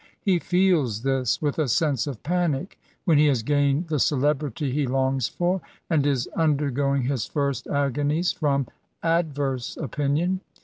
He feels this, with a sense of panic, when he has gained the celebrity he longs for, and is undergoing his first agonies from adverse opinion.